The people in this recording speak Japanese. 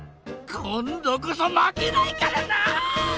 今どこそまけないからな！